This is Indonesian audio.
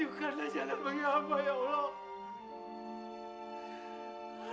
tujukanlah jalanmu ya allah